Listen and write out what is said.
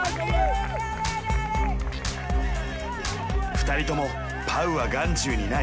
２人ともパウは眼中にない。